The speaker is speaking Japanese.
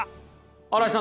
新井さん